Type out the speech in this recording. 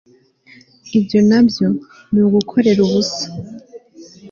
ibyo na byo ni ukugokera ubusa